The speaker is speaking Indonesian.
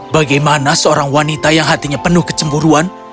bagaimana seorang wanita yang hatinya penuh kecemburuan